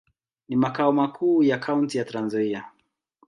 Ni makao makuu ya kaunti ya Trans-Nzoia.